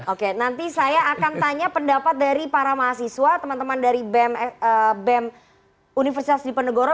oke nanti saya akan tanya pendapat dari para mahasiswa teman teman dari bem universitas dipendegoro